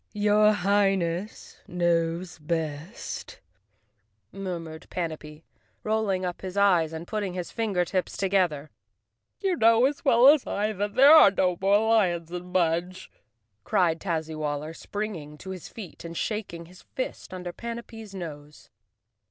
"Your Highness knows best," murmured Panapee, rolling up his eyes and putting his finger tips together. " You know as well as I that there are no more lions in Mudge," cried Tazzywaller, springing to his feet 18 Chapter One and shaking his fist under Panapee's nose.